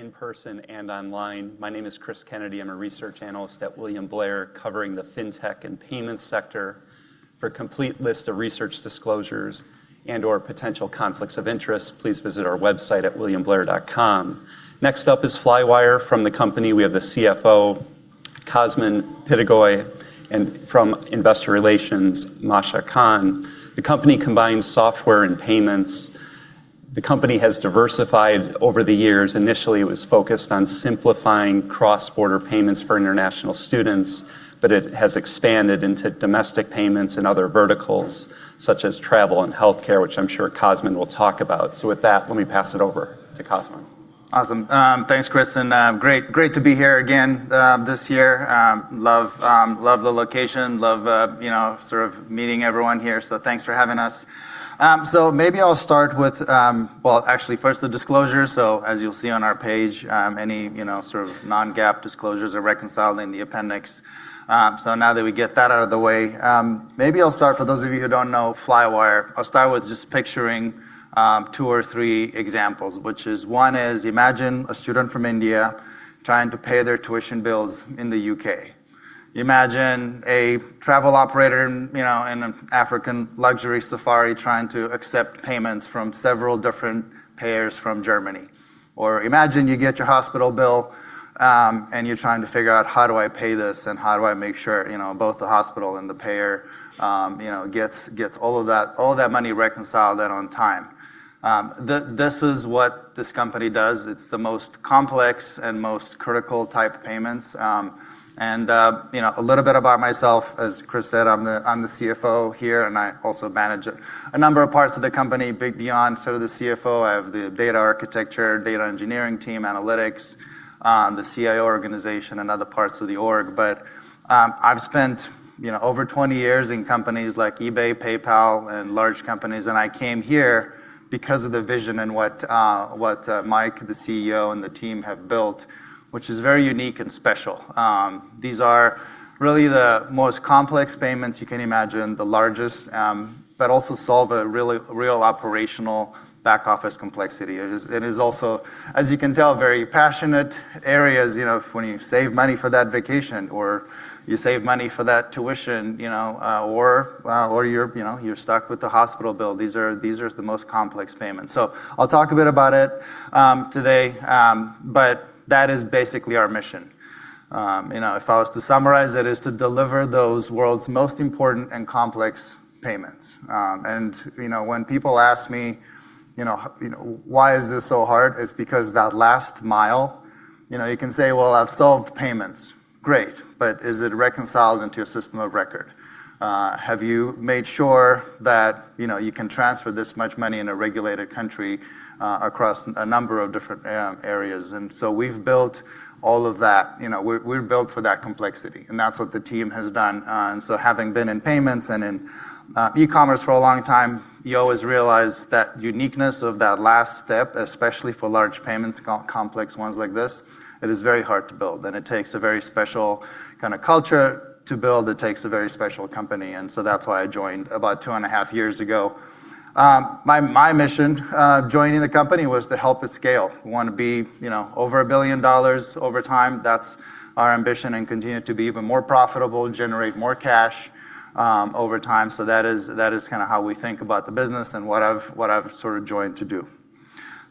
In person and online. My name is Cris Kennedy. I'm a research analyst at William Blair covering the fintech and payments sector. For a complete list of research disclosures and/or potential conflicts of interest, please visit our website at williamblair.com. Next up is Flywire. From the company, we have the CFO, Cosmin Pitigoi, and from Investor Relations, Masha Kahn. The company combines software and payments. The company has diversified over the years. Initially, it was focused on simplifying cross-border payments for international students, but it has expanded into domestic payments and other verticals such as travel and healthcare, which I'm sure Cosmin will talk about. With that, let me pass it over to Cosmin. Awesome. Thanks, Cris, and great to be here again this year. Love the location, love sort of meeting everyone here, so thanks for having us. Maybe I'll start with, well, actually first the disclosure. As you'll see on our page, any sort of non-GAAP disclosures are reconciled in the appendix. Now that we get that out of the way, maybe I'll start, for those of you who don't know Flywire, I'll start with just picturing two or three examples. Which is one is, imagine a student from India trying to pay their tuition bills in the U.K. Imagine a travel operator in an African luxury safari trying to accept payments from several different payers from Germany. Imagine you get your hospital bill, and you're trying to figure out how do I pay this and how do I make sure both the hospital and the payer get all of that money reconciled and on time. This is what this company does. It's the most complex and most critical type of payments. A little bit about myself. As Cris said, I'm the CFO here, and I also manage a number of parts of the company big beyond sort of the CFO. I have the data architecture, data engineering team, analytics, the CIO organization, and other parts of the org. I've spent over 20 years in companies like eBay, PayPal, and large companies, and I came here because of the vision and what Mike, the CEO, and the team have built, which is very unique and special. These are really the most complex payments you can imagine, the largest, but also solve a real operational back-office complexity. It is also, as you can tell, very passionate areas. When you save money for that vacation, or you save money for that tuition, or you're stuck with the hospital bill, these are the most complex payments. I'll talk a bit about it today, but that is basically our mission. If I was to summarize it, is to deliver those world's most important and complex payments. When people ask me, "Why is this so hard?" It's because that last mile. You can say, "Well, I've solved payments." Great, but is it reconciled into a system of record? Have you made sure that you can transfer this much money in a regulated country across a number of different areas? We've built all of that. We're built for that complexity, that's what the team has done. Having been in payments and in e-commerce for a long time, you always realize that uniqueness of that last step, especially for large payments, complex ones like this, it is very hard to build. It takes a very special kind of culture to build. It takes a very special company, that's why I joined about two and a half years ago. My mission joining the company was to help it scale. We want to be over $1 billion over time. That's our ambition and continue to be even more profitable and generate more cash over time. That is how we think about the business and what I've sort of joined to do.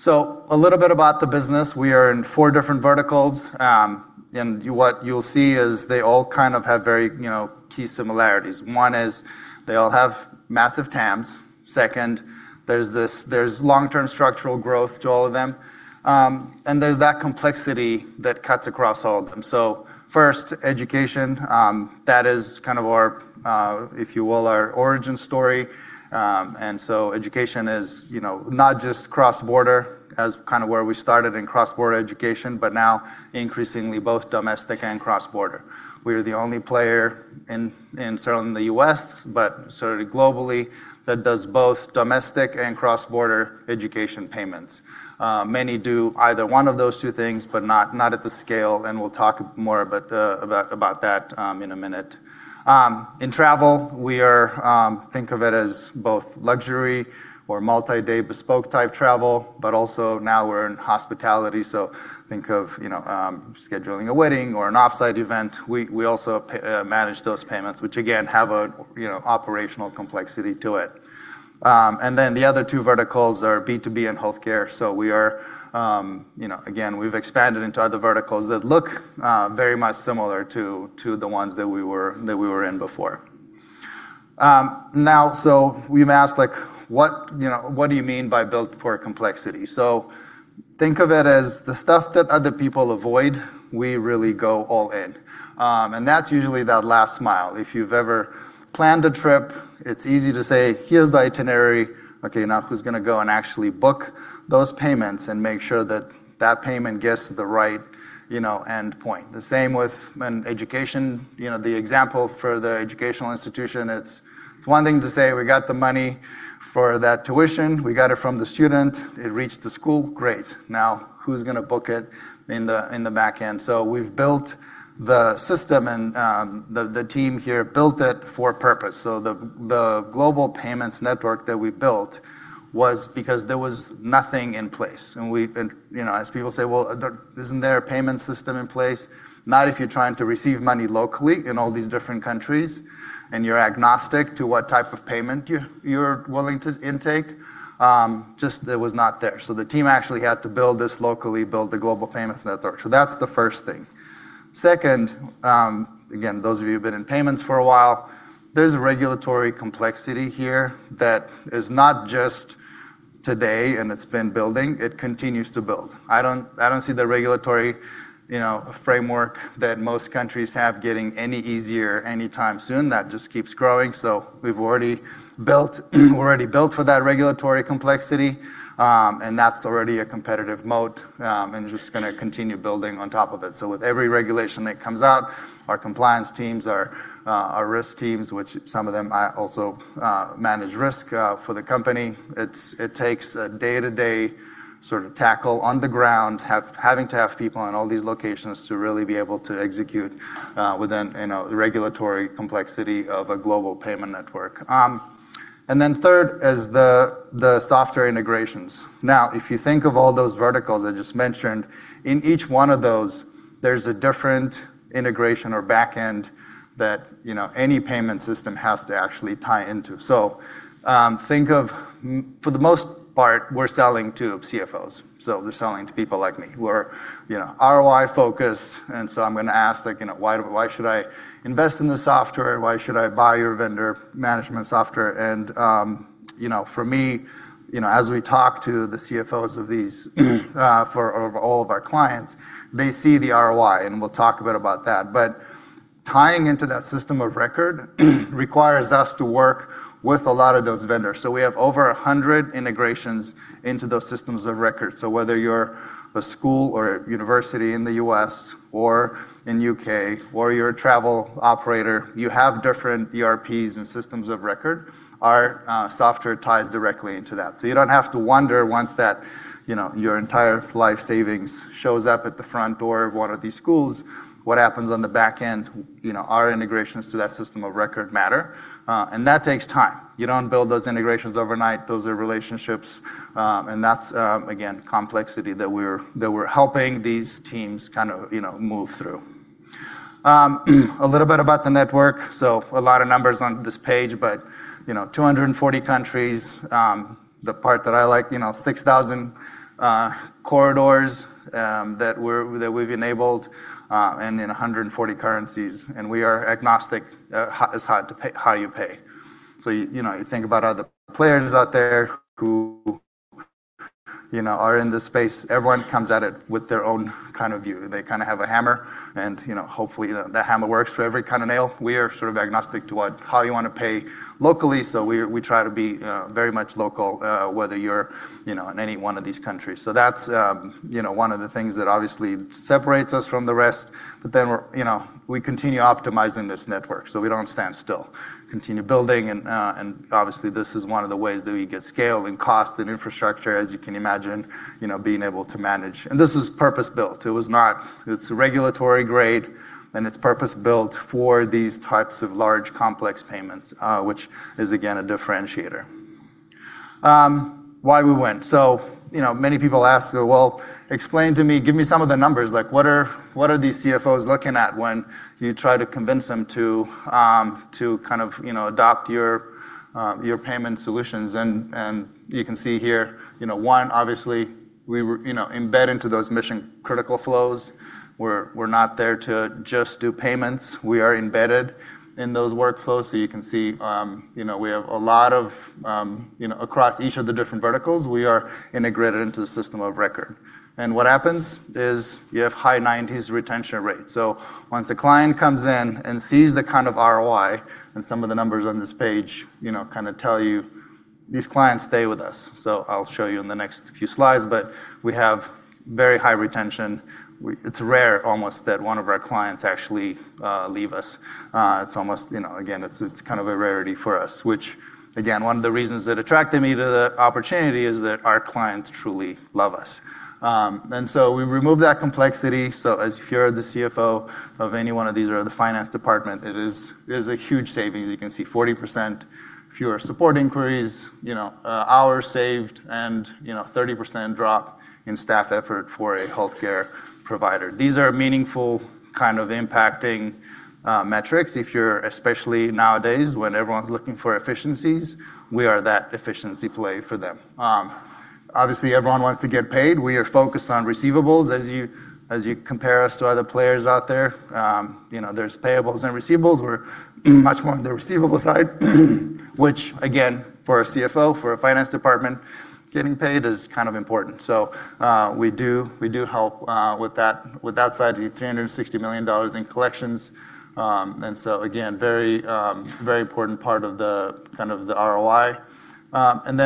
A little bit about the business. We are in four different verticals. What you'll see is they all kind of have very key similarities. One is they all have massive TAMs. Second, there's long-term structural growth to all of them. There's that complexity that cuts across all of them. First, education. That is kind of our, if you will, our origin story. Education is not just cross-border as kind of where we started in cross-border education, but now increasingly both domestic and cross-border. We are the only player in certainly the U.S., but sort of globally that does both domestic and cross-border education payments. Many do either one of those two things, but not at the scale, and we'll talk more about that in a minute. In travel, we think of it as both luxury or multi-day bespoke type travel, but also now we're in hospitality, so think of scheduling a wedding or an off-site event. We also manage those payments, which again, have an operational complexity to it. The other two verticals are B2B and healthcare. Again, we've expanded into other verticals that look very much similar to the ones that we were in before. Now, we've asked, what do you mean by built for complexity? Think of it as the stuff that other people avoid, we really go all in. That's usually that last mile. If you've ever planned a trip, it's easy to say, "Here's the itinerary." Okay, now who's going to go and actually book those payments and make sure that that payment gets the right end point? The same with in education. The example for the educational institution, it's one thing to say, "We got the money for that tuition. We got it from the student. It reached the school. Great. Now who's going to book it in the back end?" We've built the system, and the team here built it for purpose. The global payment network that we built was because there was nothing in place. As people say, "Well, isn't there a payment system in place?" Not if you're trying to receive money locally in all these different countries, and you're agnostic to what type of payment you're willing to intake. Just it was not there. The team actually had to build this locally, build the global payment network. That's the first thing. Second, again, those of you who've been in payments for a while, there's a regulatory complexity here that is not just today, and it's been building. It continues to build. I don't see the regulatory framework that most countries have getting any easier anytime soon. That just keeps growing. We've already built for that regulatory complexity, and that's already a competitive moat, and just going to continue building on top of it. With every regulation that comes out, our compliance teams, our risk teams, which some of them, I also manage risk for the company. It takes a day-to-day sort of tackle on the ground, having to have people in all these locations to really be able to execute within the regulatory complexity of a global payment network. Third is the software integrations. If you think of all those verticals I just mentioned, in each one of those, there's a different integration or backend that any payment system has to actually tie into. Think of, for the most part, we're selling to CFOs. We're selling to people like me who are ROI-focused, and I'm going to ask, "Why should I invest in the software? Why should I buy your vendor management software?" For me, as we talk to the CFOs of all of our clients, they see the ROI, and we'll talk a bit about that. Tying into that system of record requires us to work with a lot of those vendors. We have over 100 integrations into those systems of record. Whether you're a school or a university in the U.S. or in U.K. or you're a travel operator, you have different ERPs and systems of record. Our software ties directly into that. You don't have to wonder once that your entire life savings shows up at the front door of one of these schools, what happens on the backend? Our integrations to that system of record matter. That takes time. You don't build those integrations overnight. Those are relationships. That's, again, complexity that we're helping these teams move through. A little bit about the network. A lot of numbers on this page but 240 countries. The part that I like, 6,000 corridors that we've enabled and in 140 currencies. We are agnostic as how you pay. You think about other players out there who are in this space. Everyone comes at it with their own view. They have a hammer, and hopefully, that hammer works for every kind of nail. We are agnostic to how you want to pay locally. We try to be very much local, whether you're in any one of these countries. That's one of the things that obviously separates us from the rest. We continue optimizing this network. We don't stand still. Continue building, and obviously, this is one of the ways that we get scale and cost and infrastructure, as you can imagine, being able to manage. This is purpose-built. It's regulatory grade, and it's purpose-built for these types of large, complex payments, which is, again, a differentiator. Why we win. Many people ask, "Well, explain to me, give me some of the numbers. What are these CFOs looking at when you try to convince them to adopt your payment solutions?" You can see here, one, obviously, we embed into those mission-critical flows. We're not there to just do payments. We are embedded in those workflows. You can see, across each of the different verticals, we are integrated into the system of record. What happens is you have high 90s retention rates. Once a client comes in and sees the kind of ROI, and some of the numbers on this page tell you these clients stay with us. I'll show you in the next few slides, but we have very high retention. It's rare almost that one of our clients actually leave us. Again, it's a rarity for us, which again, one of the reasons that attracted me to the opportunity is that our clients truly love us. We remove that complexity. If you're the CFO of any one of these or the finance department, it is a huge savings. You can see 40% fewer support inquiries, hours saved, and 30% drop in staff effort for a healthcare provider. These are meaningful impacting metrics, if you're, especially nowadays, when everyone's looking for efficiencies, we are that efficiency play for them. Obviously, everyone wants to get paid. We are focused on receivables. As you compare us to other players out there's payables and receivables. We're much more on the receivable side, which again, for a CFO, for a finance department, getting paid is important. We do help with that side. We have $360 million in collections. Again, very important part of the ROI.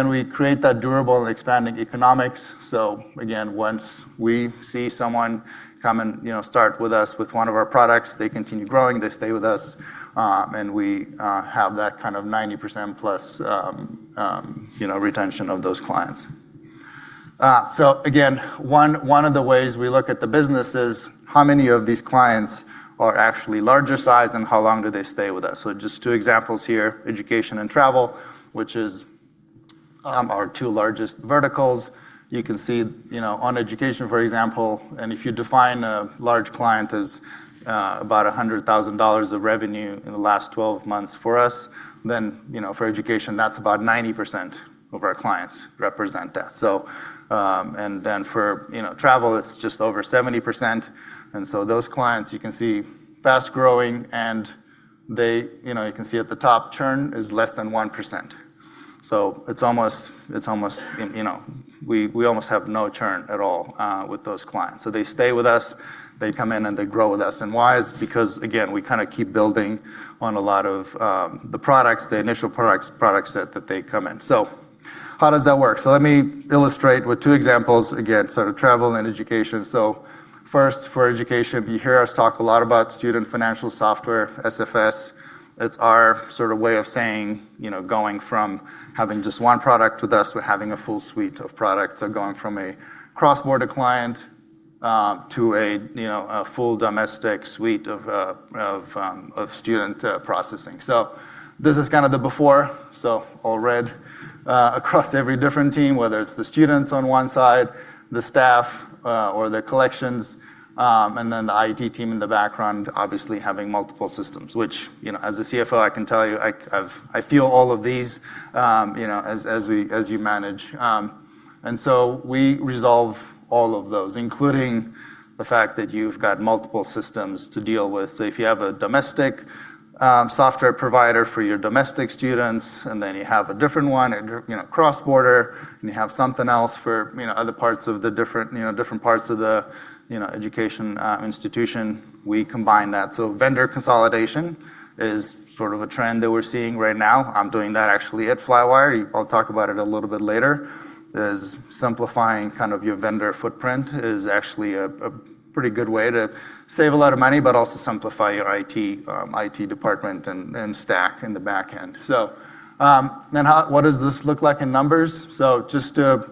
We create that durable and expanding economics. Again, once we see someone come and start with us with one of our products, they continue growing, they stay with us, and we have that 90%-plus retention of those clients. Again, one of the ways we look at the business is how many of these clients are actually larger size and how long do they stay with us. Just two examples here, education and travel, which is our two largest verticals. You can see on education, for example, if you define a large client as about $100,000 of revenue in the last 12 months for us, then for education, that's about 90% of our clients represent that. For travel, it's just over 70%. Those clients you can see fast-growing, and you can see at the top churn is less than 1%. We almost have no churn at all with those clients. They stay with us, they come in, and they grow with us. Why? It's because, again, we keep building on a lot of the products, the initial product set that they come in. How does that work? Let me illustrate with two examples, again, travel and education. First for education, you hear us talk a lot about Student Financial Software, SFS. It's our way of saying, going from having just one product with us, we're having a full suite of products. Going from a cross-border client, to a full domestic suite of student processing. This is the before. All red across every different team, whether it's the students on one side, the staff or the collections, and then the IT team in the background, obviously having multiple systems, which as a CFO, I can tell you, I feel all of these as you manage. We resolve all of those, including the fact that you've got multiple systems to deal with. If you have a domestic software provider for your domestic students, and then you have a different one, cross-border, and you have something else for different parts of the education institution, we combine that. Vendor consolidation is a trend that we're seeing right now. I'm doing that actually at Flywire. I'll talk about it a little bit later, is simplifying your vendor footprint is actually a pretty good way to save a lot of money, but also simplify your IT department and stack in the back end. What does this look like in numbers? Just to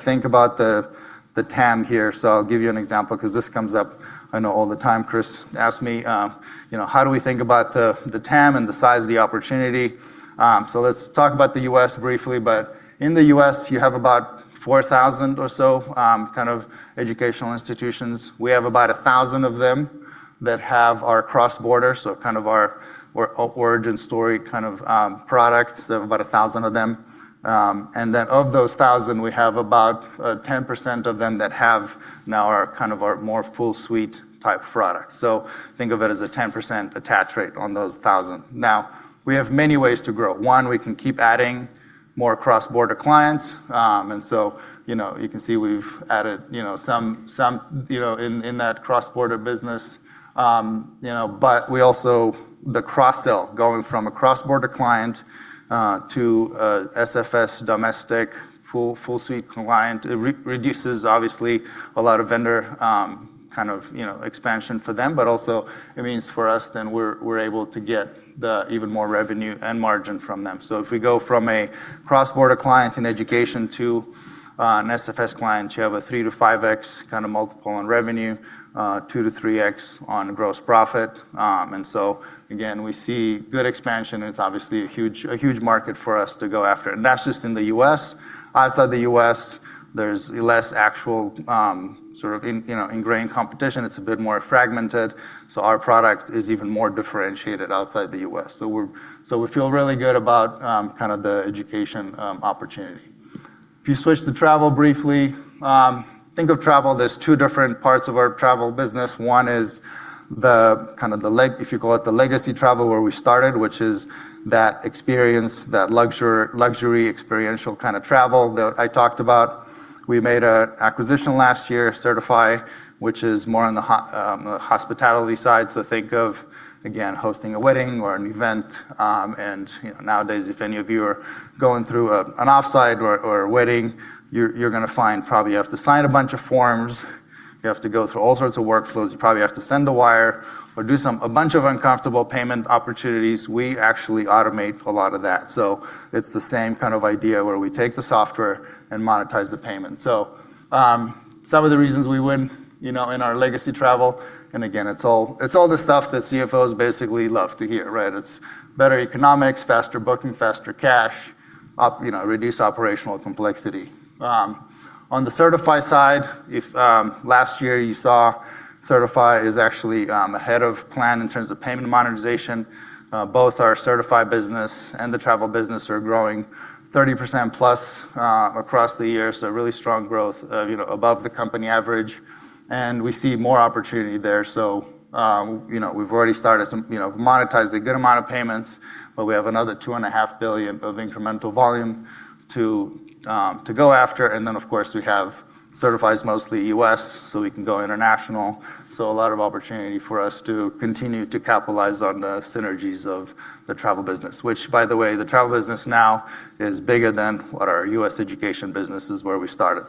think about the TAM here. I'll give you an example because this comes up I know all the time. Cris asked me how do we think about the TAM and the size of the opportunity. Let's talk about the U.S. briefly. In the U.S., you have about 4,000 or so educational institutions. We have about 1,000 of them that have our cross-border, so our origin story products, about 1,000 of them. Of those 1,000, we have about 10% of them that have now our more full suite type product. Think of it as a 10% attach rate on those 1,000. We have many ways to grow. One, we can keep adding more cross-border clients. You can see we've added some in that cross-border business. The cross-sell, going from a cross-border client, to SFS domestic full suite client. It reduces, obviously, a lot of vendor expansion for them, but also it means for us then we're able to get even more revenue and margin from them. If we go from a cross-border client in education to an SFS client, you have a 3x-5x multiple on revenue, 2x-3x on gross profit. Again, we see good expansion and it's obviously a huge market for us to go after. That's just in the U.S. Outside the U.S., there's less actual ingrained competition. It's a bit more fragmented, so our product is even more differentiated outside the U.S. We feel really good about the education opportunity. If you switch to travel briefly, think of travel, there's two different parts of our travel business. One is if you call it the legacy travel where we started, which is that experience, that luxury experiential travel that I talked about. We made an acquisition last year, Sertifi, which is more on the hospitality side. Think of, again, hosting a wedding or an event. Nowadays, if any of you are going through an offsite or a wedding, you're going to find probably you have to sign a bunch of forms, you have to go through all sorts of workflows, you probably have to send a wire or do a bunch of uncomfortable payment opportunities. We actually automate a lot of that. It's the same idea where we take the software and monetize the payment. Some of the reasons we win in our legacy travel, and again, it's all the stuff that CFOs basically love to hear. It's better economics, faster booking, faster cash, reduce operational complexity. On the Sertifi side, last year you saw Sertifi is actually ahead of plan in terms of payment monetization. Both our Sertifi business and the travel business are growing 30% plus across the year. Really strong growth above the company average, and we see more opportunity there. We've already started to monetize a good amount of payments, but we have another $2.5 billion of incremental volume to go after. Of course, we have Sertifi's mostly U.S., so we can go international. A lot of opportunity for us to continue to capitalize on the synergies of the travel business. Which, by the way, the travel business now is bigger than what our U.S. education business is where we started.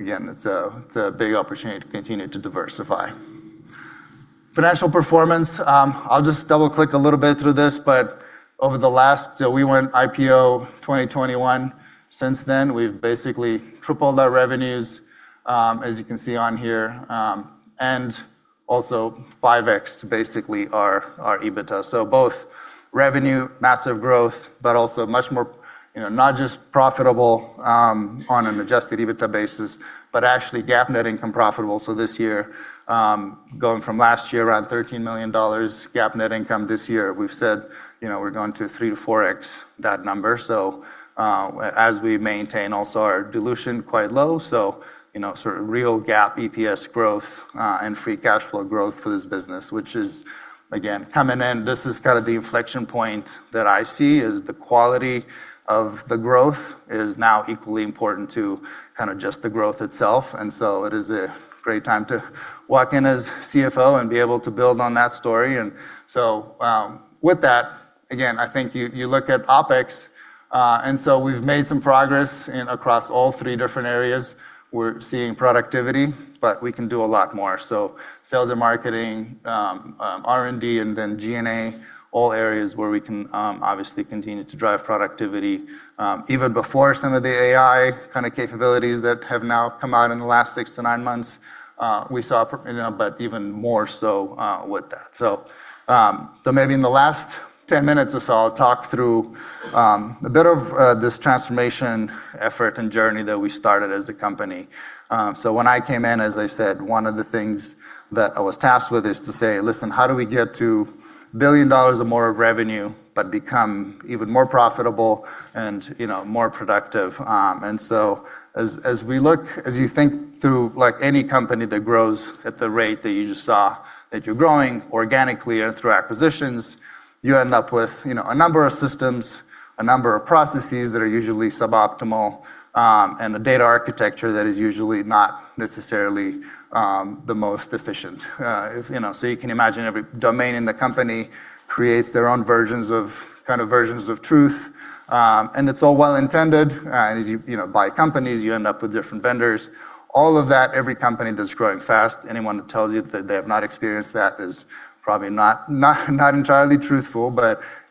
Again, it's a big opportunity to continue to diversify. Financial performance, I'll just double-click a little bit through this. We went IPO 2021. Since then, we've basically tripled our revenues, as you can see on here, and also 5x'd basically our EBITDA. Both revenue, massive growth, but also much more not just profitable on an adjusted EBITDA basis, but actually GAAP net income profitable. This year, going from last year, around $13 million GAAP net income. This year, we've said we're going to 3x-4x that number. As we maintain also our dilution quite low, sort of real GAAP EPS growth, and free cash flow growth for this business, which is again, coming in. This is the inflection point that I see is the quality of the growth is now equally important to just the growth itself. It is a great time to walk in as CFO and be able to build on that story. With that, again, I think you look at OpEx, we've made some progress across all three different areas. We're seeing productivity, but we can do a lot more. Sales and marketing, R&D, and then G&A, all areas where we can obviously continue to drive productivity. Even before some of the AI kind of capabilities that have now come out in the last six to nine months, we saw even more so with that. Maybe in the last 10 minutes or so, I'll talk through a bit of this transformation effort and journey that we started as a company. When I came in, as I said, one of the things that I was tasked with is to say, "Listen, how do we get to $1 billion or more of revenue, but become even more profitable and more productive?" As you think through, like any company that grows at the rate that you just saw, that you're growing organically or through acquisitions, you end up with a number of systems, a number of processes that are usually suboptimal, and a data architecture that is usually not necessarily the most efficient. You can imagine every domain in the company creates their own versions of truth. It's all well-intended. As you buy companies, you end up with different vendors. All of that, every company that's growing fast, anyone that tells you that they have not experienced that is probably not entirely truthful.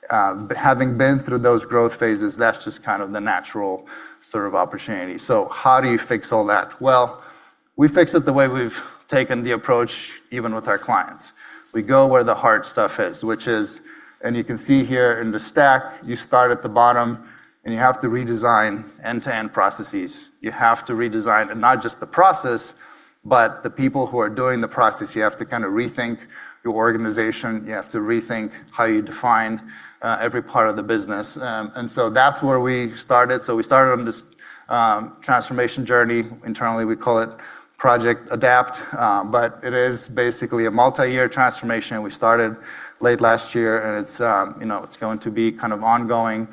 Having been through those growth phases, that's just the natural sort of opportunity. How do you fix all that? Well, we fix it the way we've taken the approach, even with our clients. We go where the hard stuff is. You can see here in the stack, you start at the bottom, and you have to redesign end-to-end processes. You have to redesign not just the process, but the people who are doing the process. You have to rethink your organization. You have to rethink how you define every part of the business. That's where we started. We started on this transformation journey. Internally, we call it Project Adapt. It is basically a multi-year transformation. We started late last year, and it's going to be ongoing.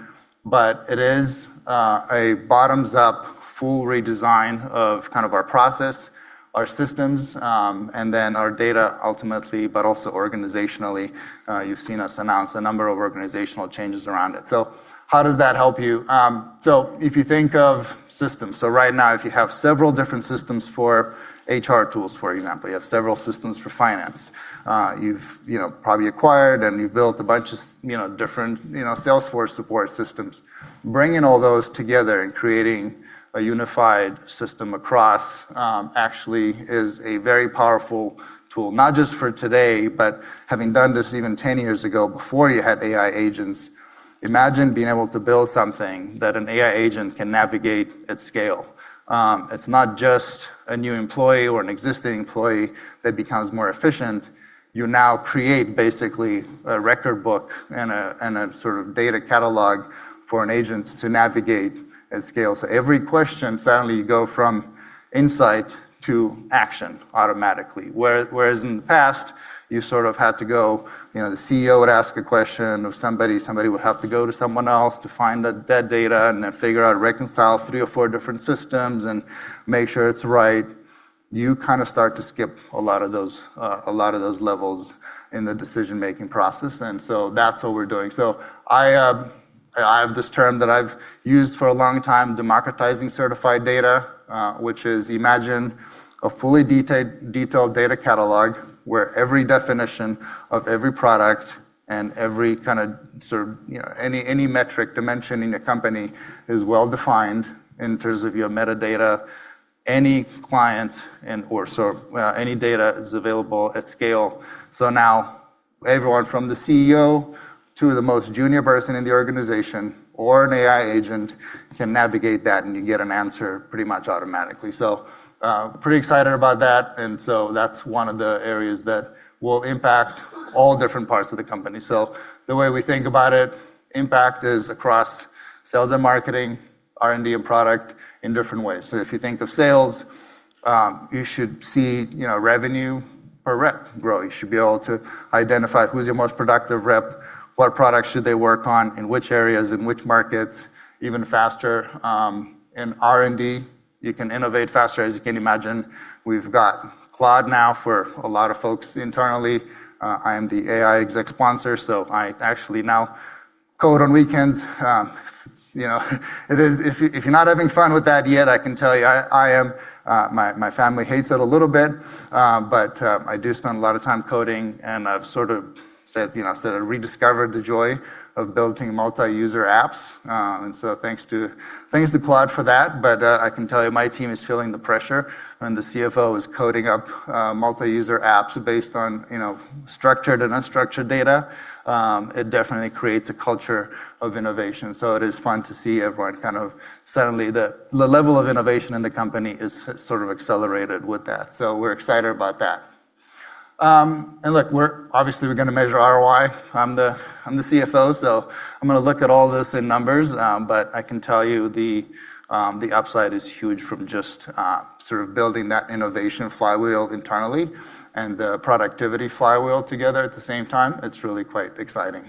It is a bottoms-up, full redesign of our process, our systems, and then our data, ultimately, but also organizationally. You've seen us announce a number of organizational changes around it. How does that help you? If you think of systems, so right now, if you have several different systems for HR tools, for example. You have several systems for finance. You've probably acquired and you've built a bunch of different Salesforce support systems. Bringing all those together and creating a unified system across actually is a very powerful tool. Not just for today, but having done this even 10 years ago before you had AI agents, imagine being able to build something that an AI agent can navigate at scale. It's not just a new employee or an existing employee that becomes more efficient. You now create basically a record book and a sort of data catalog for an agent to navigate at scale. Every question, suddenly you go from insight to action automatically. Whereas in the past, you sort of had to go. The CEO would ask a question of somebody would have to go to someone else to find that data and then figure out, reconcile three or four different systems and make sure it's right. You start to skip a lot of those levels in the decision-making process, and so that's what we're doing. I have this term that I've used for a long time, democratizing certified data, which is imagine a fully detailed data catalog where every definition of every product and every kind of any metric dimension in a company is well-defined in terms of your metadata. Any client and/or any data is available at scale. Now everyone from the CEO to the most junior person in the organization or an AI agent can navigate that, and you get an answer pretty much automatically. Pretty excited about that, and that's one of the areas that will impact all different parts of the company. The way we think about it, impact is across sales and marketing, R&D, and product in different ways. If you think of sales, you should see revenue per rep grow. You should be able to identify who's your most productive rep, what products should they work on, in which areas, in which markets even faster. In R&D, you can innovate faster, as you can imagine. We've got Claude now for a lot of folks internally. I am the AI exec sponsor, so I actually now code on weekends. If you're not having fun with that yet, I can tell you I am. My family hates it a little bit, but I do spend a lot of time coding, and I've sort of rediscovered the joy of building multi-user apps. Thanks to Plaid for that. I can tell you, my team is feeling the pressure when the CFO is coding up multi-user apps based on structured and unstructured data. It definitely creates a culture of innovation. It is fun to see everyone. Kind of suddenly, the level of innovation in the company is sort of accelerated with that. We're excited about that. Look, obviously we're going to measure ROI. I'm the CFO, so I'm going to look at all this in numbers. I can tell you the upside is huge from just sort of building that innovation flywheel internally and the productivity flywheel together at the same time. It's really quite exciting.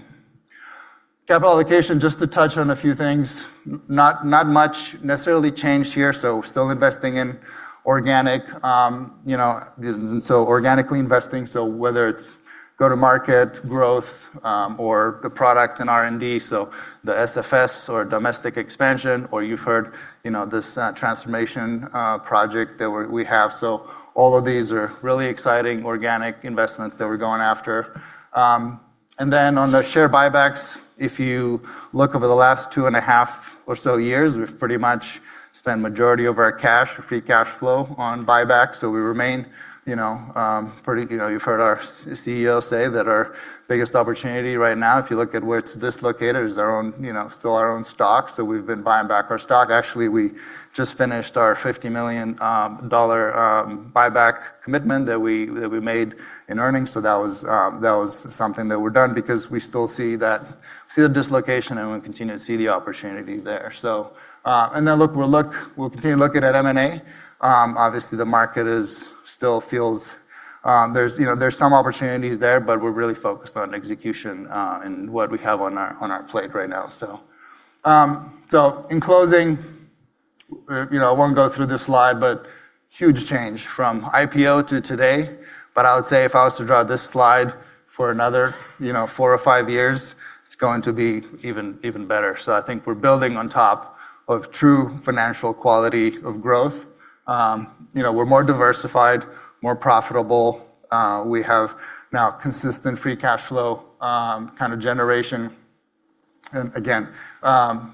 Capital allocation, just to touch on a few things. Not much necessarily changed here. Still investing in organic, so organically investing, so whether it's go to market growth, or the product and R&D. The SFS or domestic expansion or you've heard this transformation project that we have. All of these are really exciting organic investments that we're going after. On the share buybacks, if you look over the last two and a half or so years, we've pretty much spent majority of our cash, free cash flow on buybacks. We remain, you've heard our CEO say that our biggest opportunity right now, if you look at where it's dislocated, is still our own stock. We've been buying back our stock. Actually, we just finished our $50 million buyback commitment that we made in earnings. That was something that we're done because we still see the dislocation and we continue to see the opportunity there. We'll continue looking at M&A. Obviously, the market still feels there's some opportunities there, but we're really focused on execution and what we have on our plate right now. In closing, I won't go through this slide, but huge change from IPO to today. I would say if I was to draw this slide for another four or five years, it's going to be even better. I think we're building on top of true financial quality of growth. We're more diversified, more profitable. We have now consistent free cash flow, kind of generation. Again,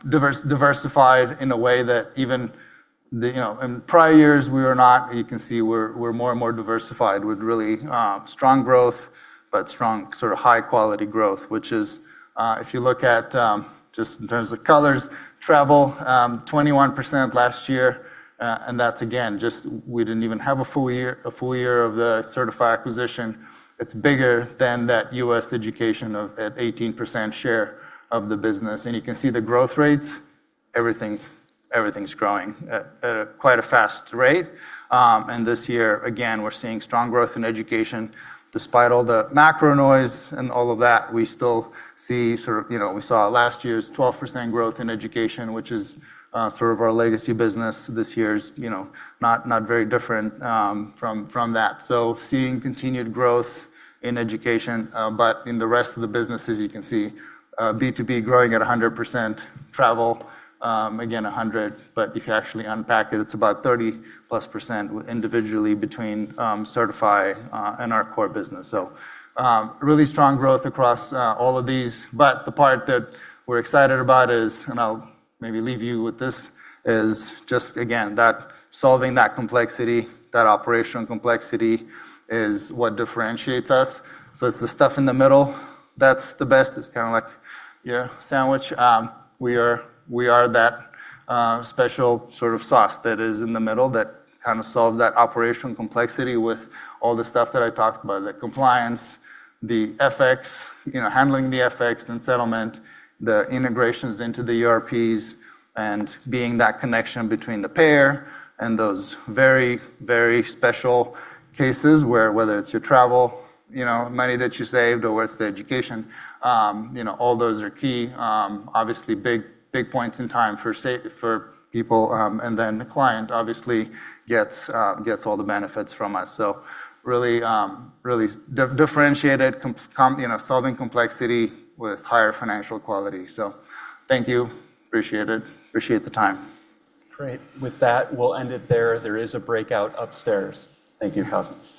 diversified in a way that in prior years we were not. You can see we're more and more diversified with really strong growth, but strong sort of high quality growth, which is, if you look at just in terms of colors, travel, 21% last year. That's again, just we didn't even have a full year of the Sertifi acquisition. It's bigger than that U.S. education at 18% share of the business. You can see the growth rates. Everything's growing at quite a fast rate. This year again, we're seeing strong growth in education. Despite all the macro noise and all of that, we still see sort of, we saw last year's 12% growth in education, which is sort of our legacy business. This year's not very different from that. Seeing continued growth in education. In the rest of the businesses you can see B2B growing at 100%, travel again 100%, but if you actually unpack it's about 30+% individually between Sertifi and our core business. Really strong growth across all of these. The part that we're excited about is, and I'll maybe leave you with this, is just again, that solving that complexity, that operational complexity is what differentiates us. It's the stuff in the middle that's the best. It's kind of like your sandwich. We are that special sort of sauce that is in the middle that kind of solves that operational complexity with all the stuff that I talked about, the compliance, the FX, handling the FX and settlement, the integrations into the ERPs, and being that connection between the payer and those very, very special cases where whether it's your travel money that you saved or it's the education, all those are key. Obviously big points in time for people. The client obviously gets all the benefits from us. Really differentiated, solving complexity with higher financial quality. Thank you. Appreciate it. Appreciate the time. Great. With that, we'll end it there. There is a breakout upstairs. Thank you, Cosmin.